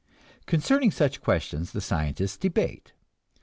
Concerning such questions the scientists debate.